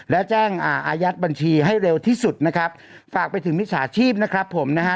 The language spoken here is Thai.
และแจ้งอายัดบัญชีให้เร็วที่สุดนะครับฝากไปถึงมิจฉาชีพนะครับผมนะฮะ